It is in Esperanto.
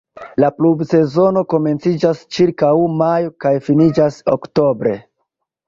La pluvsezono komenciĝas ĉirkaŭ majo kaj finiĝas oktobre.